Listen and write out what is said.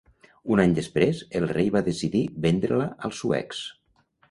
Un any després, el rei va decidir vendre-la als suecs.